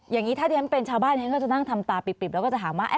อย่างนี้ถ้าที่ฉันเป็นชาวบ้านฉันก็จะนั่งทำตาปิบแล้วก็จะถามว่า